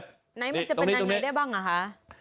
ตรงนี้ตรงนี้นี่ไหนมันจะเป็นยังไงได้บ้างหรอคะ